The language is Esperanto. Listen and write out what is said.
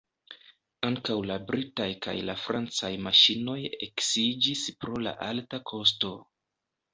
Ankaŭ la britaj kaj la francaj maŝinoj eksiĝis pro la alta kosto.